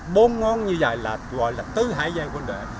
bốn ngón như vậy là gọi là tứ hải giai quân đệ